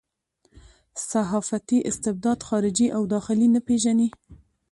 صحافتي استبداد خارجي او داخلي نه پېژني.